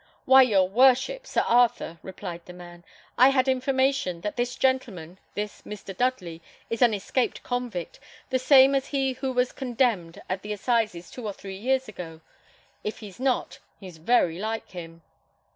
"Why, your worship, Sir Arthur," replied the man, "I had information, that this gentleman, this Mr. Dudley, is an escaped convict; the same as he who was condemned at the assizes two or three years ago. If he's not, he's very like him."